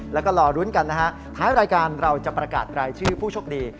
แล้วก็รอรุ้นกันนะฮะท้ายรายการเราจะประกาศรายชื่อผู้โชคดี